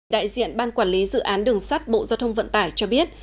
đại diện ban quản lý dự án đường sắt bộ giao thông vận tải cho biết